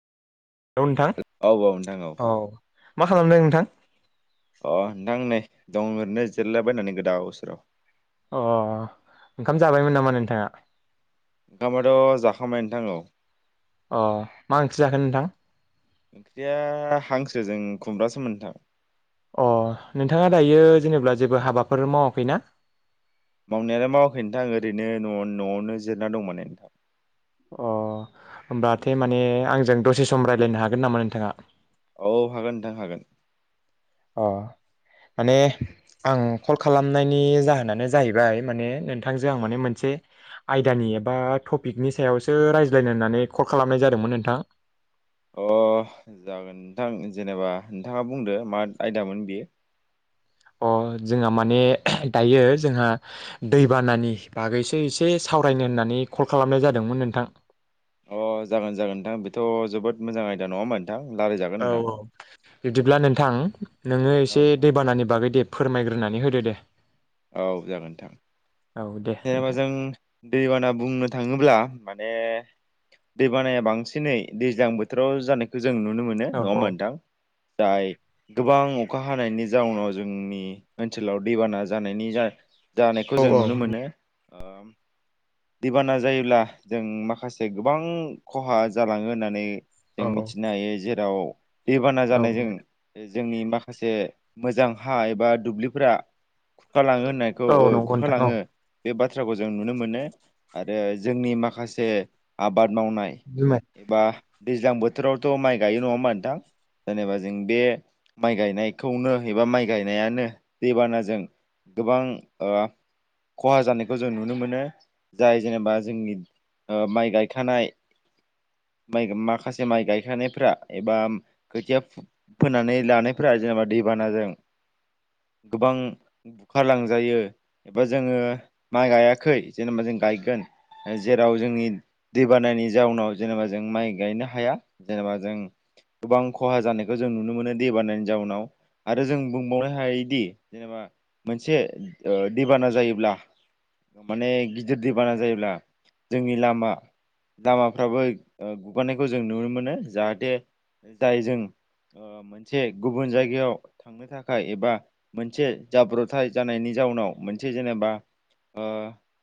औ नोंथां औ नोंथां औ मा खालामदों नोंथां। अ नोंथां नै दं ओरैनो जिरलाबायनानै गोदाव- सोराव अ ओंखाम जाबायमोन नामा नोंथाङा ओंखामाथ' जाखांबाय नोंथां औ अ मा ओंख्रि जाखोन नोंथां ओंख्रिया हांसो जों खुमब्रासोमोन नोंथां अ नोंथाङा दायो जेनेबा जेबो हाबाफोर मावाखैना मावनायालाय मावाखै नोंथां ओरैनो न'आवनो-न'आवनो जिरना दं माने नोंथां अ होमबाथे माने आंजों दसे सम रायलायनो हागोन नामा नोंथाङा औ हागोन नोंथां हागोन अ माने आं कल खालामनायनि जाहोनानो जाहैबाय माने नोंथांजों आं माने मोनसे आयदानि एबा टपिकनि सायावसो रायज्लायनो होननानै कल खालामनाय जादोंमोन नोंथां अ जागोन नोंथां जेनेबा नोंथाङा बुंदो मा आयदामोन बियो अ जोंहा माने दायो जोंहा दैबानानि बागैसो एसे सावरायनो होननानै कल खालामनाय जादोंमोन नोंथां अ जागोन-जागोन नोंथां बेथ' जोबोद मोजां आयदा नङाहोमबा नोंथां औ रलायजागोन नोंथां औ बिदिब्ला नोंथां नोङो औ एसे नोंथां दैबानानि बागै दे फोरमायग्रोनानै होदो दे औ जागोनोंथां औ दे जेनेबा नोंथां। जों दैबाना बुंनो थाङोब्ला माने दैबानाया बांसिनै दैज्लां बोथोराव जानायखौ जों नुनो मोनो औ न'ङा औ होनबा नोंथां जाय गोबां अखा हानायनि जाउनाव जोंनि ओनसोलाव दैबाना जानायनि जा जानायखौ औ जों औ नुनो मोनो ओ दैबाना जायोब्ला जों माखासे गोबां खहा जालाङो होननानै जों औ मिथिनो हायो जेराव दैबाना औ जानायजों जोंनि माखासे मोजां हा एबा दुब्लिफोरा खुरखा लाङो होननायखौ औ ओ नंगौ खुरखा नोंथां औ लाङो बे बाथ्राखौ जों नुनो मोनो आरो जोंनि माखासे आ आबाद मावनाय बिमाय एबा दैज्लां बोथोरावथ' माइ गायो नङामोन नोंथां जेनेबा जों बे माइ गायनायखौनो एबा माइ गायनायानो दैबानाजों गोबां खहा जानायखौ जों नुनो मोनो जाय जेनेबा जोंनि माइ गायखानाय [inaudible] माइ माखासे माइ गायखानायफोरा एबा खोथिया फोनानै लानायफोरा जेनेबा दै गोबां बुखार लांजायो जोङो माइ गायाखै जेनेबा जों गायगोन जेराव जोंनि दैबानानि जाउनाव जेनेबा जों माइ गायनो हाया जेनेबा जों गोबां खहा जानायखौ जों नुनो मोनो दै बानायनि जाउनाव आरो जों बुंबावनो हायोदि जेनेबा मोनसे दैबाना जायोब्ला माने गिदिर दैबाना जायोब्ला जोंनि लामा लामाफ्राबो गगारानायखौ जों नुनो मोनो जाहाथे जाय जों मोनसे गुबुन जायगायाव थांनो थाखाय एबा मोनसे जाब्रबथाय जानायनि जाउनाव मोनसे जेनेबा